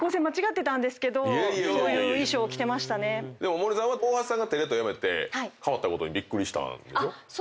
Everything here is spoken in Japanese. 森さんは大橋さんがテレ東辞めて変わったことにびっくりしたんでしょ？